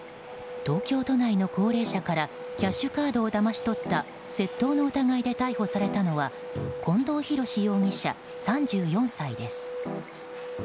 東京都内の高齢者からキャッシュカードをだまし取った窃盗の疑いで逮捕されたのは近藤弘志容疑者、３４歳です。